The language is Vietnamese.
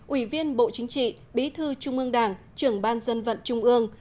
ủy viên bộ chính trị bí thư trung ương đảng trưởng ban dân vận trung ương